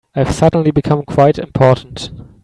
I've suddenly become quite important.